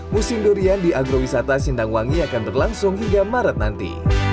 musim durian di agrowisata sindang wangi akan terlangsung hingga maret nanti